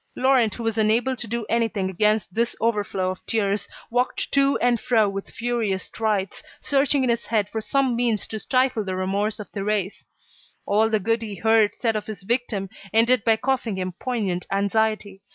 Laurent who was unable to do anything against this overflow of tears, walked to and fro with furious strides, searching in his head for some means to stifle the remorse of Thérèse. All the good he heard said of his victim ended by causing him poignant anxiety.